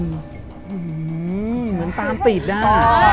อืมเหมือนตามตีดได้